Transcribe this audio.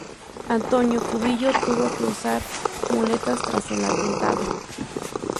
Antonio Cubillo tuvo que usar muletas tras el atentado.